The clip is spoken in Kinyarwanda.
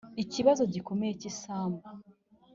ikibazo gikomeye cy isambu